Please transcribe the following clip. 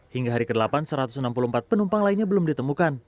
hingga hari ke delapan satu ratus enam puluh empat penumpang lainnya belum ditemukan